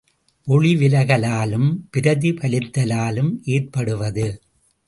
ஒளி விலகலாலும் பிரதிபலித்தலாலும் ஏற்படுவது.